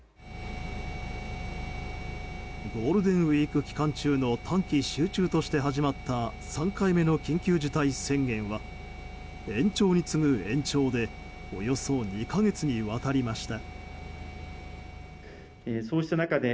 ゴールデンウィーク期間中の短期集中として始まった３回目の緊急事態宣言は延長に次ぐ延長でおよそ２か月にわたりました。